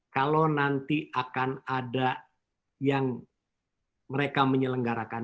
kalau nanti akan ada yang mereka menyelenggarakan